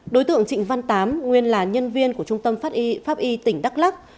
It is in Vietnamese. đối tượng trịnh văn tám nguyên là nhân viên của trung tâm pháp y tỉnh đắk lắc